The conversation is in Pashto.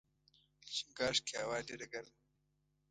چنګاښ کې هوا ډېره ګرمه وي.